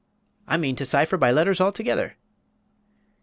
I mean to cypher by letters altogether."